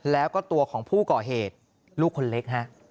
แล้วก็ตัวของผู้ก่อเหตุลูกคนเล็กฮะ